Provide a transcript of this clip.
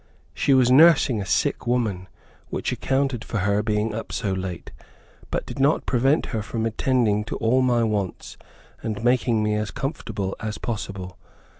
She was nursing a sick woman, which accounted for her being up so late, but did not prevent her from attending to all my wants, and making me as comfortable as possible.